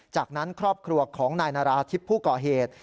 จากนั้นครอบครัวของนายนาราธิบผู้ก่อเหตุ